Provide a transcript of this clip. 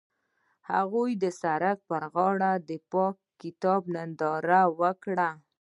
هغوی د سړک پر غاړه د پاک کتاب ننداره وکړه.